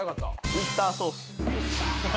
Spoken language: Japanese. ・ウィスターソース。